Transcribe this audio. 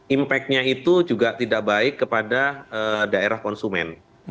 impact nya itu juga tidak baik kepada daerah konsumen